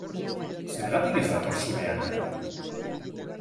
Zergatik ez dator zure anaia?